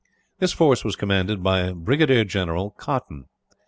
This force was commanded by Brigadier General Cotton.